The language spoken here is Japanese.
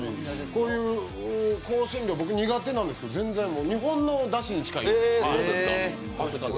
こういう香辛料、僕、苦手なんですけど全然、日本のに近いです。